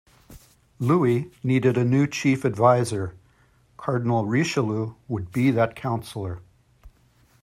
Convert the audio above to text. Louis needed a new chief advisor; Cardinal Richelieu would be that counsellor.